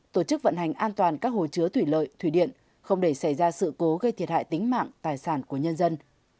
tổ chức vận hành an toàn các hồ chứa thủy lợi thủy điện không để xảy ra sự cố gây thiệt hại tính mạng tài sản của nhân dân